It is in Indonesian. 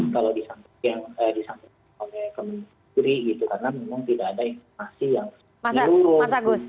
kalau disampaikan oleh kementerian karena memang tidak ada informasi yang seluruh